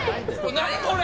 何これ？